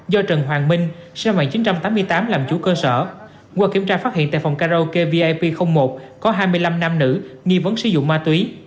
do trần hoàng minh làm chủ cơ sở qua kiểm tra phát hiện tại phòng karaoke vip một có hai mươi năm nam nữ nghi vấn sử dụng ma túy